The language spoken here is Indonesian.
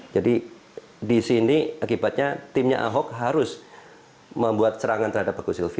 jadi di sini akibatnya timnya ahok harus membuat serangan terhadap agus sylvi